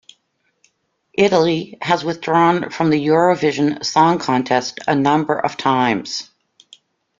Italy has withdrawn from the Eurovision Song Contest a number of times.